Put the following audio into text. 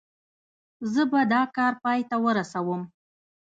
زه به دا کار پای ته ورسوم.